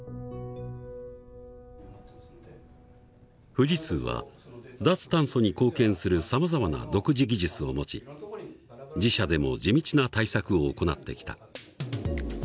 富士通は脱炭素に貢献するさまざまな独自技術を持ち自社でも地道な対策を行ってきた。